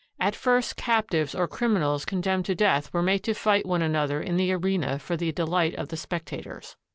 At first cap tives or criminals condemned to death were made to fight one another in the arena for the delight of the spectators.